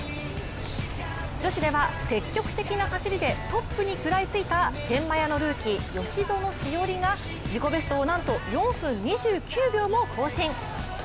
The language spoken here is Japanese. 女子では積極的な走りでトップに食らいついた天満屋のルーキー、吉薗栞が自己ベストをなんと４分２９秒も更新。